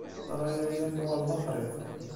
Ssṛaya-ya tuɣal d axrib.